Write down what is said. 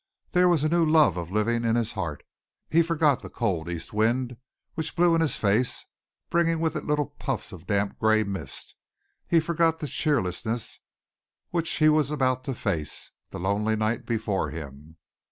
There was a new love of living in his heart. He forgot the cold east wind which blew in his face, bringing with it little puffs of damp grey mist. He forgot the cheerlessness which he was about to face, the lonely night before him.